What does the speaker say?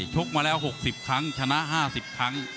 กมาแล้ว๖๐ครั้งชนะ๕๐ครั้ง